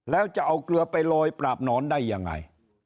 แล้วจะเอาเกลือไปโรยปราบหนอนได้ยังไง